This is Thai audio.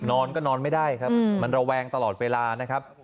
นอนก็นอนไม่ได้ครับมันระแวงตลอดเวลานะครับ